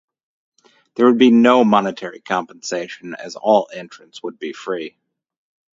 There would be no monetary compensation, as all entrance would be free.